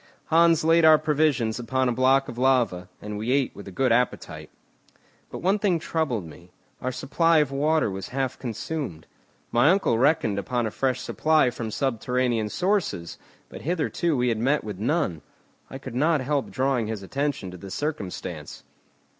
Hans laid our provisions upon a block of lava, and we ate with a good appetite. But one thing troubled me, our supply of water was half consumed. My uncle reckoned upon a fresh supply from subterranean sources, but hitherto we had met with none. I could not help drawing his attention to this circumstance.